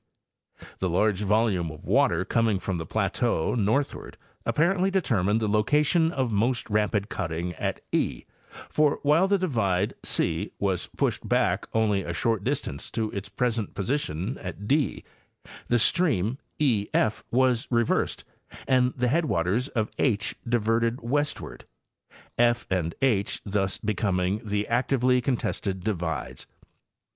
The large volume of water coming from the plateau northward apparently determined the location of most rapid cutting at e, for while the divide ¢ was pushed back only a short distance to its present position at d, the stream ef was reversed and the headwaters of H diverted westward, f and h thus becoming the actively con tested divides.